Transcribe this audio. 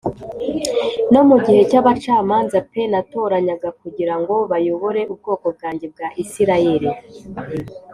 no mu gihe cy abacamanza p natoranyaga kugira ngo bayobore ubwoko bwanjye bwa Isirayeli